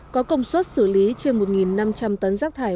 có công suất xử lý trên một năm trăm linh tấn rác thải